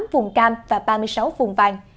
tám vùng cam và ba mươi sáu vùng vàng